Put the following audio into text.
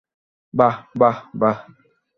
বাহ, বাহ, বাহ।